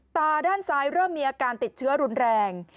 ตาด้านซ้ายเริ่มมีอาการติดเชื้อรุนแรง